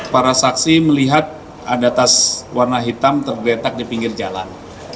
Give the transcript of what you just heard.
para saksi melihat ada tas warna hitam tergeletak di pinggir jalan